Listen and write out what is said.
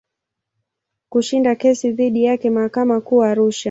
Kushinda kesi dhidi yake mahakama Kuu Arusha.